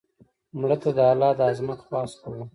مړه ته د الله ج د عظمت خواست کوو